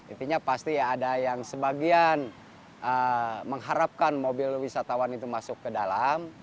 intinya pasti ya ada yang sebagian mengharapkan mobil wisatawan itu masuk ke dalam